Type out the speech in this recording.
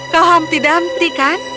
kau hampir tidak hampir kan